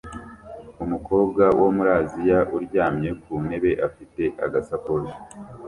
Umukobwa wo muri Aziya uryamye ku ntebe afite agasakoshi